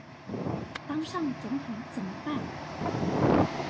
當上總統怎麼辦？